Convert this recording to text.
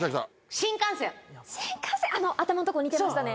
新幹線、頭の所、似てましたね。